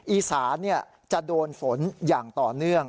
อีสานจะโดนฝนอย่างต่อเนื่อง